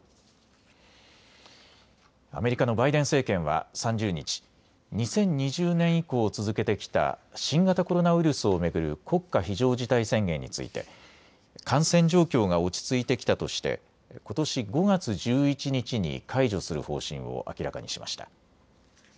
アメリカのバイデン政権は３０日、２０２０年以降続けてきた新型コロナウイルスを巡る国家非常事態宣言について感染状況が落ち着いてきたとしてことし５月１１日に解除する方針を明らかにしました。